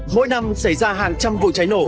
mỗi năm xảy ra hàng trăm vụ cháy nổ